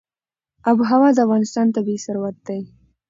آب وهوا د افغانستان طبعي ثروت دی.